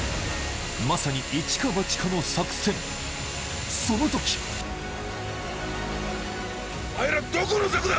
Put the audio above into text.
まさに一か八かの作戦その時お前らどこの雑魚だ！